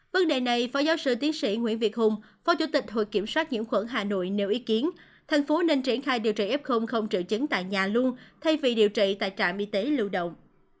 vấn đề này phó giáo sư tiến sĩ nguyễn việt hùng phó chủ tịch hội kiểm soát nhiễm khuẩn hà nội nêu ý kiến thành phố nên triển khai điều trị f không triệu chứng tại nhà luôn thay vì điều trị tại trạm y tế lưu động